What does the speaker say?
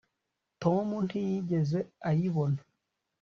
tom ntiyigeze ayibona